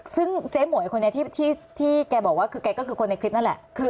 ซึ่งเจี๊ยงหัวอย่างคนนี้ที่แกบอกว่าแกคือคนในคลิปนั่นแหละ